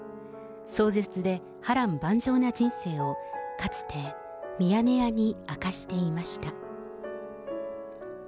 壮絶で波乱万丈な人生をかつてミヤネ屋に明かしていました。